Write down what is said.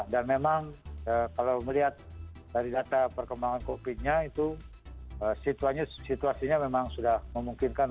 dan memang kalau melihat dari data perkembangan covid nya situasinya memang sudah memungkinkan